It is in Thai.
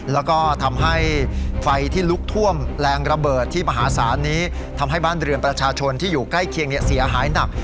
แล้วก็ทำให้ไฟที่ลุกท่วมแรงระเบิดที่มหาศาลนี้ทำให้บ้านเรือนประชาชนที่อยู่ใกล้เคียงเสียหายหนัก